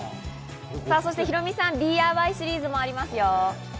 そしてヒロミさん、ＤＩＹシリーズもありますよ！